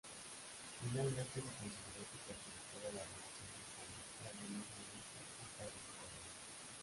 Finalmente se consideró que perjudicaba las relaciones con la Alemania nazi y fue retirada.